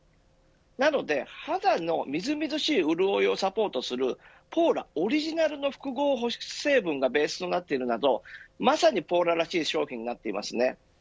なので、肌のみずみずしい潤いをサポートするポーラオリジナルの複合保湿成分がベースになっているなどまさに、ポーラらしい商品になっています。